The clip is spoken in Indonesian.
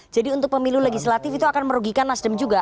jadi untuk pemilu legislatif itu akan merugikan nasdem juga